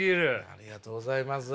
ありがとうございます。